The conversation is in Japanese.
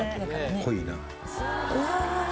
濃いな。